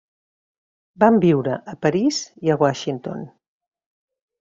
Van viure a París i a Washington.